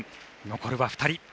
残るは２人。